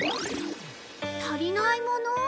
足りないもの？